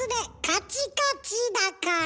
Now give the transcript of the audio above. カチカチだから？